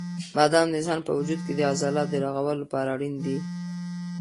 بادام د انسان په وجود کې د عضلاتو د رغولو لپاره اړین دي.